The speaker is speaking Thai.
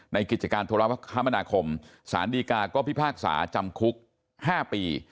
กิจการโทรคมนาคมสารดีกาก็พิพากษาจำคุก๕ปี